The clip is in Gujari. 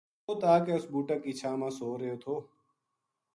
اِت آ کے اس بوٹا کی چھاں ما سو رہیو تھو